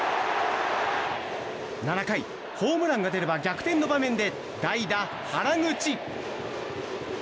７回、ホームランが出れば逆転の場面で代打、原口。